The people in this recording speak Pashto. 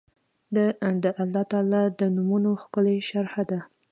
دا د الله تعالی د نومونو ښکلي شرح ده